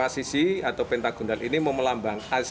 lima sisi atau pentagonal ini memelambang